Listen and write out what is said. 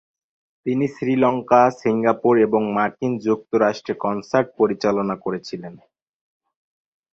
তিনি শ্রীলঙ্কা, সিঙ্গাপুর এবং মার্কিন যুক্তরাষ্ট্রে কনসার্ট পরিচালনা করেছিলেন।